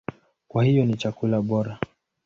Kwa hiyo ni chakula bora.